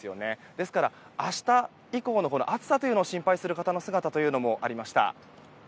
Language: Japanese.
ですから明日以降の暑さを心配する人の姿もありました。